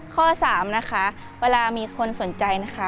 ข้อ๓นะคะเวลามีคนสนใจนะคะ